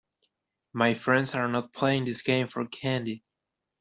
My friends are not playing this game for candy.